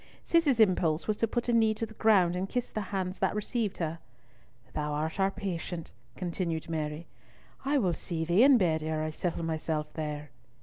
Cis's impulse was to put a knee to the ground and kiss the hands that received her. "Thou art our patient," continued Mary. "I will see thee in bed ere I settle myself there."